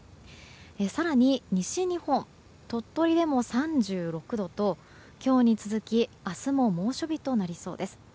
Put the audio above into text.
更に西日本、鳥取でも３６度と今日に続き明日も猛暑日となりそうです。